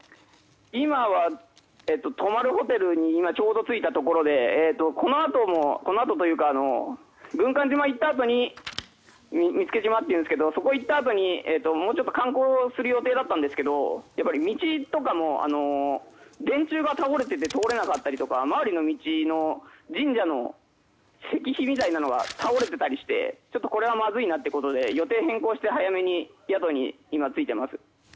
今は泊まるホテルにちょうど着いたところでこのあとも軍艦島に行ったあとに見附島にも行ったあとにもうちょっと観光する予定だったんですけど道とかも電柱が倒れていて通れなかったりとか周りの道の神社の石碑みたいなのが倒れていたりしてこれはまずいなということで予定を変更して早めに宿に今着いています。